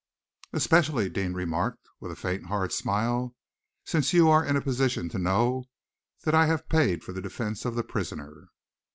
"Especially," Deane remarked, with a faint, hard smile, "since you are in a position to know that I have paid for the defence of the prisoner."